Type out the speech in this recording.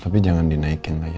tapi jangan dinaikin lagi